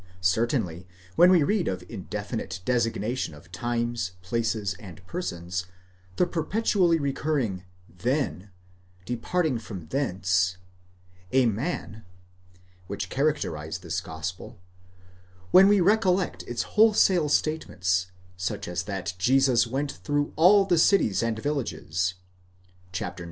Certainly, when we read the indefinite designation of times, places and persons, the perpetually recurring τότε, then, παράγων ἐκεῖθεν, departing from thence, ἄνθρωπος, a man, which characterize this gospel; when we recollect its wholesale statements, such as that Jesus went through all the cities and villages (ix.